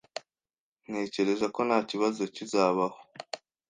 Ntekereza ko nta kibazo kizabaho.